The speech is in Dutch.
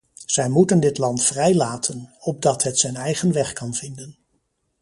Zij moeten dit land vrijlaten, opdat het zijn eigen weg kan vinden.